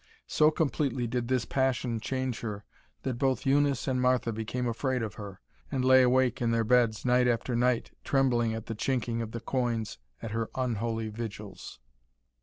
So completely did this passion change her that both Eunice and Martha became afraid of her, and lay awake in their beds night after night trembling at the chinking of the coins at her unholy vigils.